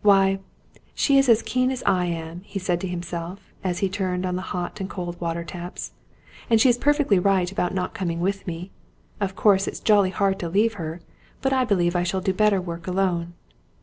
"Why, she is as keen as I am," he said to himself, as he turned on the hot and cold water taps. "And she is perfectly right about not coming with me. Of course it's jolly hard to leave her; but I believe I shall do better work alone."